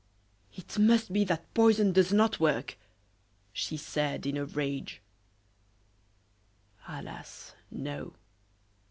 "It must be that poison does not work!" she said, in a rage. Alas! no.